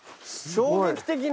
衝撃的な。